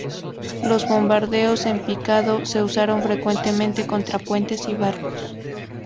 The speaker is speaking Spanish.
Los bombarderos en picado se usaron frecuentemente contra puentes y barcos.